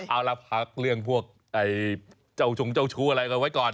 เอาละพักเรื่องพวกเจ้าชู้อะไรไว้ก่อน